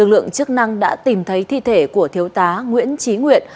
vào ngày hai mươi bảy tháng bốn lực lượng chức năng đã tìm thấy thi thể của thiếu tá nguyễn trí nguyện